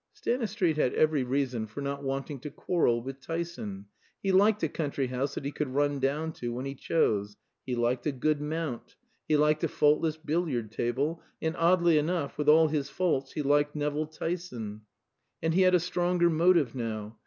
Stanistreet had every reason for not wanting to quarrel with Tyson. He liked a country house that he could run down to when he chose; he liked a good mount; he liked a faultless billiard table; and oddly enough, with all his faults he liked Nevill Tyson. And he had a stronger motive now.